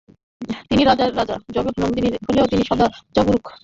তিনি রাজার রাজা, জগৎ নিদ্রিত হলেও তিনি সদা জাগরূক।